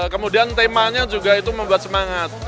kemudian temanya juga itu membuat semangat